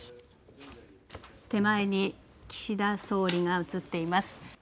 手前に岸田総理が映っています。